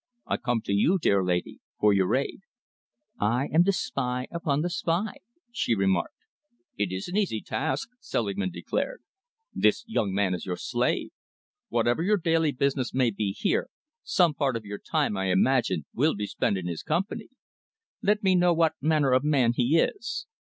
I come to you, dear lady, for your aid." "I am to spy upon the spy," she remarked. "It is an easy task," Selingman declared. "This young man is your slave. Whatever your daily business may be here, some part of your time, I imagine, will be spent in his company. Let me know what manner of man he is.